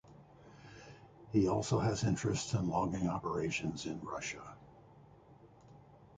He also has interests in logging operations in Russia.